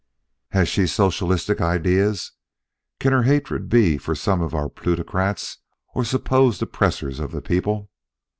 "Has she socialistic ideas? Can her hatred be for some of our plutocrats or supposed oppressors of the people?"